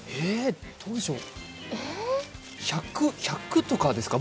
どうでしょう、１００とかですか？